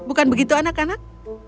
bukan begitu anak anak